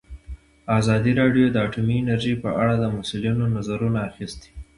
ازادي راډیو د اټومي انرژي په اړه د مسؤلینو نظرونه اخیستي.